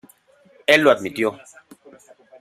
Él lo admitió.